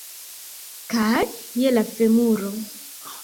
Kaj je la femuro.